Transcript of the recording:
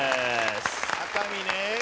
熱海ね。